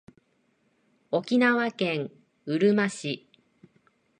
沖縄県うるま市